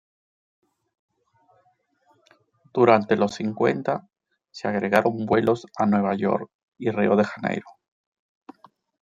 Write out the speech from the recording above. Durante los cincuenta, se agregaron vuelos a Nueva York y Río de Janeiro.